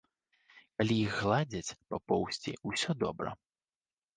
Калі іх гладзяць па поўсці, усё добра.